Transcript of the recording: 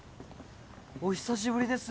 ・お久しぶりです